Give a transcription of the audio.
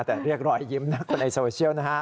แต่เรียกรอยยิ้มนะคนในโซเชียลนะฮะ